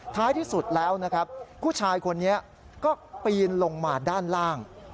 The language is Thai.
ท้ายที่สุดแล้วนะครับผู้ชายคนนี้ก็ปีนลงมาด้านล่าง